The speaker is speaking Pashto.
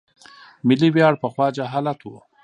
ملي ویاړ پخوا جهالت و.